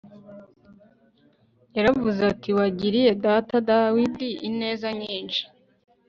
yaravuze ati wagiriye data dawidi ineza nyinshi